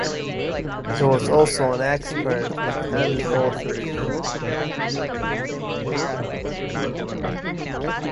He was also an expert left-handed golfer.